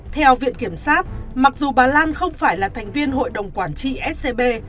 theo viện kiểm sát mặc dù bà lan không phải là thành viên hội đồng quản trị scb